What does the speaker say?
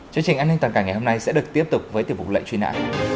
chương trình an ninh toàn cảnh ngày hôm nay sẽ được tiếp tục với tiểu mục lệnh truy nã